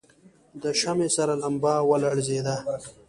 د شمعې سره لمبه ولړزېده.